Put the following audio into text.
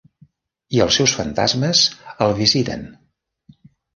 I els seus fantasmes el visiten.